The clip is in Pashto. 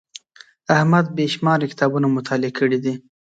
احمد بې شماره کتابونه مطالعه کړي دي.